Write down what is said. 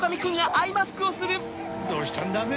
どうしたんだべ？